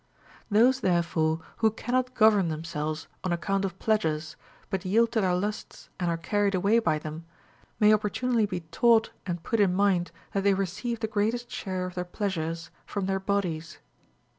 Those therefore who cannot govern themselves on account of pleasures, but yield to their lusts and are carried away by them, may opportunely be taught and put in mind that they receive the greatest share of their pleasures from their bodies.